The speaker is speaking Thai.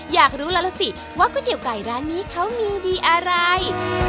อยากรู้แล้วสิว่าก๋วยเตี๋ยวกลางซอยร้านนี้เขามีดีอะไร